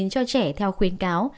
cho trẻ theo khuyến cáo